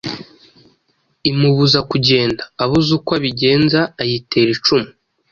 imubuza kugenda. Abuze uko abigenza ayitera icumu,